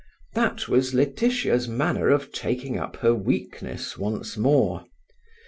That was Laetitia's manner of taking up her weakness once more.